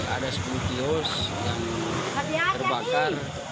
ada sepuluh kios yang terbakar